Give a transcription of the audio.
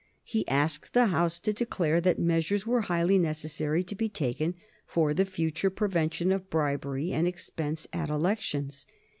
He asked the House to declare that measures were highly necessary to be taken for the future prevention of bribery and expense at elections.